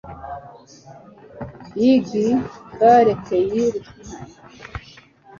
Bin gar keine Russin stamm aus Litauen echt deutsch